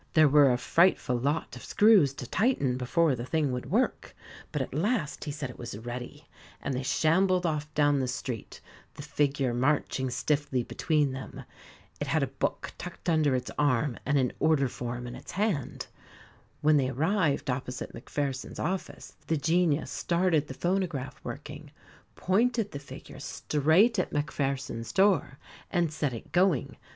There were a frightful lot of screws to tighten before the thing would work, but at last he said it was ready, and they shambled off down the street, the figure marching stiffly between them. It had a book tucked under its arm and an order form in its hand. When they arrived opposite Macpherson's office, the Genius started the phonograph working, pointed the figure straight at Macpherson's door, and set it going.